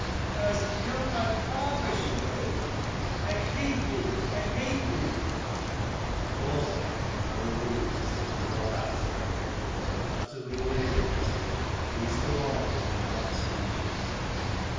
"Thou hast killed my father," she wailed: "I hate thee, I hate thee!" Thorstein was in no mood to say good or bad to her, so utterly weary was he : least of all to make love speeches.